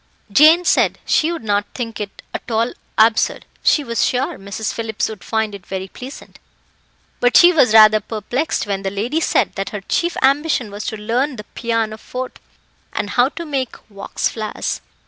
Jane said she would not think it at all absurd; she was sure Mrs. Phillips would find it very pleasant. But she was rather perplexed when the lady said that her chief ambition was to learn the pianoforte and how to make wax flowers.